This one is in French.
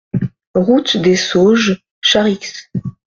Route des Sauges, Charix